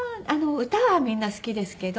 歌はみんな好きですけど。